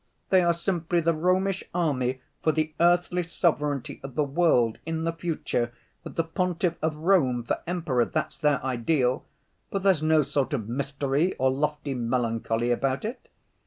They are simply the Romish army for the earthly sovereignty of the world in the future, with the Pontiff of Rome for Emperor ... that's their ideal, but there's no sort of mystery or lofty melancholy about it....